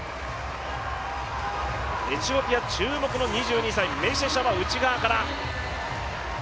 エチオピア注目の２２歳、メシェシャは内側から。